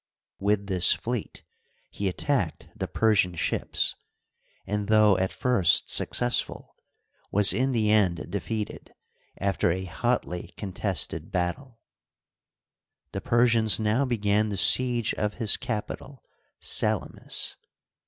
"With this fleet he at tacked the Persian ships, and, though at first successful, was in the end defeated, after a hotly contested battle. The Persians now began the siege of his capital, Salamis.